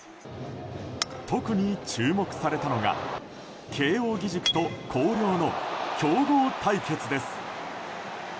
特に注目されたのが慶應義塾と広陵の強豪対決です。